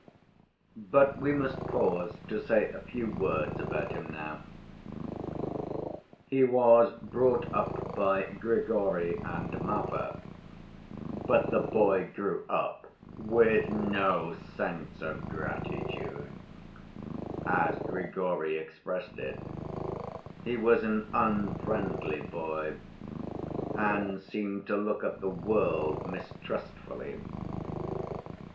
But we must pause to say a few words about him now. He was brought up by Grigory and Marfa, but the boy grew up "with no sense of gratitude," as Grigory expressed it; he was an unfriendly boy, and seemed to look at the world mistrustfully.